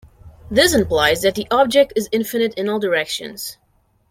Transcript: This implies that the object is infinite in all directions.